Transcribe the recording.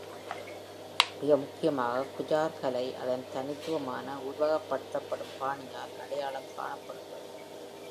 மிக முக்கியமாக, Qajar கலை அதன் தனித்துவமான உருவகப்படுத்தப்படும் பாணியால் அடையாளம் காணப்படுகிறது.